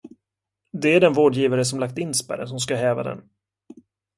Det är den vårdgivare som lagt in spärren som ska häva den.